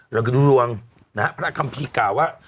เราก็ดูดวงพระคัมภีร์กล่าวว่า